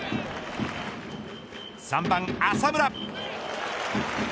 ３番浅村。